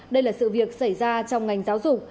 đây là sự việc xảy ra trong ngành giáo dục